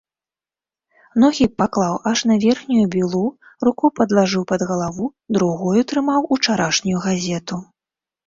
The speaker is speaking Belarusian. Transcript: Ногі паклаў аж на верхнюю білу, руку падлажыў пад галаву, другою трымаў учарашнюю газету.